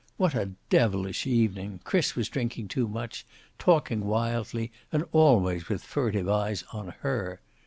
What a devilish evening! Chris drinking too much, talking wildly, and always with furtive eyes on her.